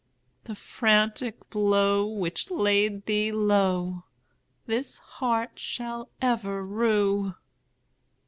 The frantic blow which laid thee lowThis heart shall ever rue."